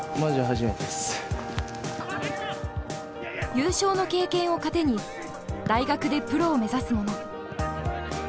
優勝の経験を糧に大学でプロを目指す者。